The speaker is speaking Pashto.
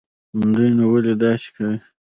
دوى نو ولې داسې کوي.